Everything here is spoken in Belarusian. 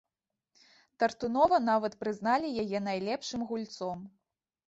Тартунова нават прызнавалі яе найлепшым гульцом.